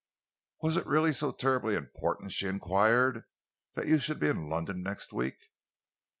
"Was it really so terribly important," she enquired, "that you should be in London next week?"